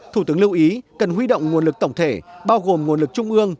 thủ tướng lưu ý cần huy động nguồn lực tổng thể bao gồm nguồn lực trung ương